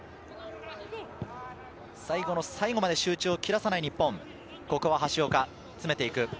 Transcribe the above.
最後の最後まで集中を切らさない日本、ここは橋岡、詰めていく。